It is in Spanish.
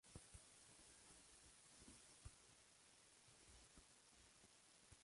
Las otras proceden de excavaciones arqueológicas legales.